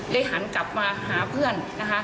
ได้หันกลับมาหาเพื่อน